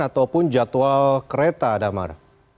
ataupun jadwal kereta damar